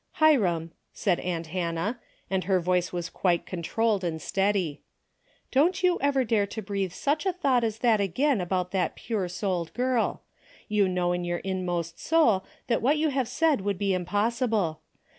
" Hiram," said aunt Hannah, and her voice was quite controlled and steady, " don't you ever dare to breathe such a thought as that again about that pure souled girl. You know in your inmost soul that what you have said would be impossible.